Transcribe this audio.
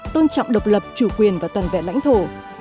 tôn trọng độc lập chủ quyền và toàn vẹn lãnh thổ